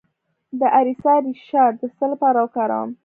د اریسا ریښه د څه لپاره وکاروم؟